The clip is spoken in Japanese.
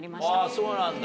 あそうなんだ。